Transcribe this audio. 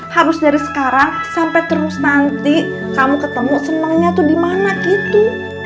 harus dari sekarang sampai terus nanti kamu ketemu senengnya tuh di mana gitu